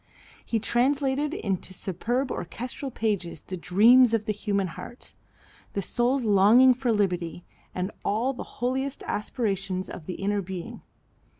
He translated into superb orchestral pages the dreams of the human heart, the soul's longing for liberty and all the holiest aspirations of the inner being.